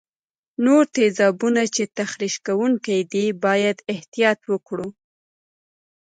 نور تیزابونه چې تخریش کوونکي دي باید احتیاط وکړو.